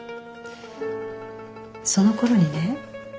そのころにね。